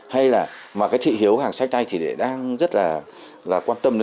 hay là mà cái thị hiếu hàng sách tay thì lại đang rất là quan tâm